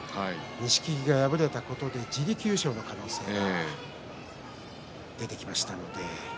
錦木が敗れたことで自力優勝の可能性もあります。